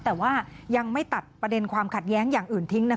แต่ว่ายังไม่ตัดประเด็นความขัดแย้งอย่างอื่นทิ้ง